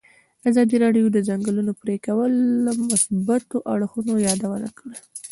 ازادي راډیو د د ځنګلونو پرېکول د مثبتو اړخونو یادونه کړې.